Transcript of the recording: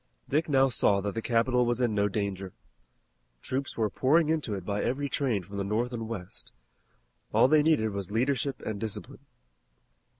Dick now saw that the capital was in no danger. Troops were pouring into it by every train from the north and west. All they needed was leadership and discipline.